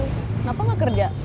kenapa gak kerja